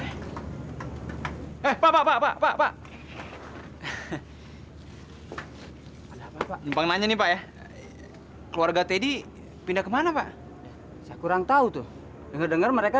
hai apa apa nanya nih pak keluarga teddy pindah ke mana pak kurang tahu tuh denger dengar mereka